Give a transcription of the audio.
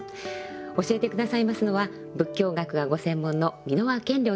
教えて下さいますのは仏教学がご専門の蓑輪顕量先生です。